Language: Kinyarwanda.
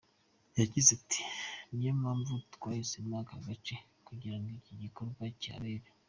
Yagize ati “Niyo mpamvu twahisemo aka gace kugirango iki gikorwa kihabere.